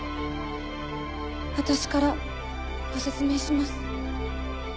私からご説明します。